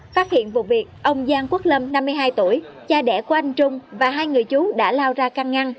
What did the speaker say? phát hiện vụ việc ông giang quốc lâm năm mươi hai tuổi cha đẻ của anh trung và hai người chú đã lao ra căn ngăn